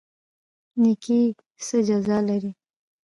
نیکي څه جزا لري؟